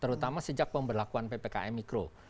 terutama sejak pemberlakuan ppkm mikro